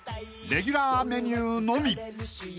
［レギュラーメニューのみ］